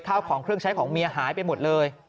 ข้าวของเครื่องใช้ของเมียหายไปหมดเลย